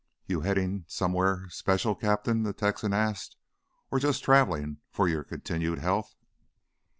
"You headin' somewheah special, Cap'n?" the Texan asked. "Or jus' travelin' for your continued health?"